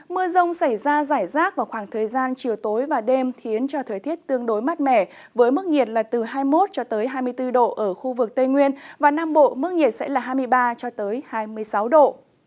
mưa rông xảy ra giải rác vào khoảng thời gian chiều tối và đêm khiến cho thời tiết tương đối mát mẻ với mức nhiệt là từ hai mươi một cho tới hai mươi bốn độ ở khu vực tây nguyên và nam bộ mức nhiệt sẽ là hai mươi ba hai mươi sáu độ